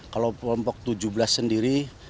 kalau kelompok tujuh belas sendiri